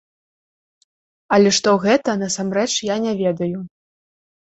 Але што гэта, насамрэч, я не ведаю.